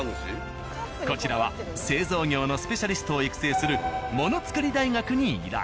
こちらは製造業のスペシャリストを育成するものつくり大学に依頼。